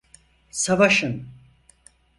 Savaşın!